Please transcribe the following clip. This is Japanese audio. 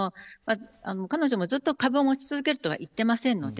彼女も、ずっと株を持ち続けるとは言っていませんので